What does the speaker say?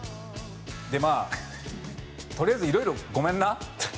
でまあとりあえずいろいろごめんな。